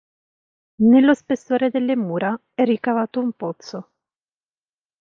Nello spessore delle mura è ricavato un pozzo.